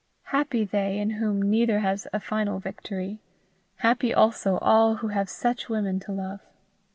Happy they in whom neither has a final victory! Happy also all who have such women to love!